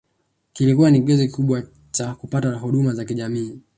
Kilikua ni kigezo kikubwa caha kupata huduma za kijamii